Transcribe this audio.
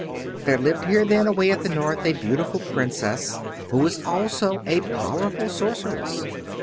"There lived here then, away at the North, a beautiful princess, who was also a powerful sorceress.